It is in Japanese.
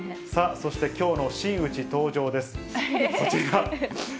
そしてきょうの真打ち登場です。